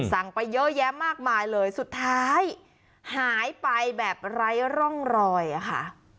ไปเยอะแยะมากมายเลยสุดท้ายหายไปแบบไร้ร่องรอยอะค่ะ